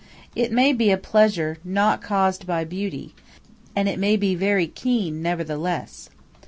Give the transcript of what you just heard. It may be a pleasure not caused by beauty, and it may be very keen, nevertheless.